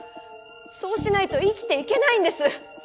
そうしないと生きていけないんです。